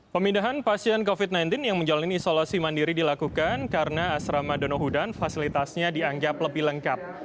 pemindahan pasien covid sembilan belas yang menjalani isolasi mandiri dilakukan karena asrama donohudan fasilitasnya dianggap lebih lengkap